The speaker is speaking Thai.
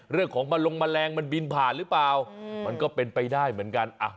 เรื่องของแมลงแมลงมันบินผ่านหรือเปล่ามันก็เป็นไปได้เหมือนกัน